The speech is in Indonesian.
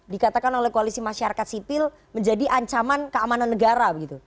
dikatakan oleh koalisi masyarakat sipil menjadi ancaman keamanan negara